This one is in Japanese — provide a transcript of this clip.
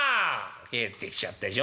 「帰ってきちゃったよ